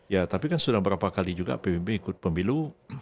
ya tapi kan sudah berapa kali juga pbb ikut pemilu